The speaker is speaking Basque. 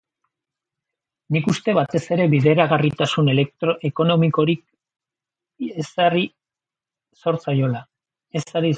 Nik uste batez ere bideragarritasun ekonomikorik ezari zor zaiola.